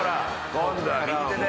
今度は右手で。